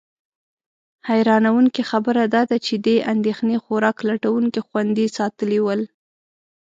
حیرانونکې خبره دا ده چې دې اندېښنې خوراک لټونکي خوندي ساتلي ول.